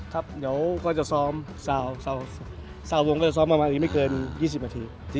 ครับเดี๋ยวก็จะซ้อมสาววงก็จะซ้อมประมาณอีกไม่เกิน๒๐นาที